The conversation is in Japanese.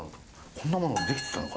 こんなもの出来てたのか！？